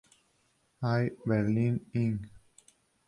Air Berlin Inc.